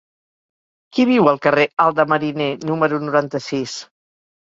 Qui viu al carrer Alt de Mariner número noranta-sis?